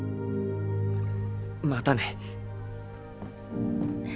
またね。